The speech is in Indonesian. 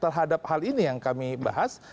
terhadap hal ini yang kami bahas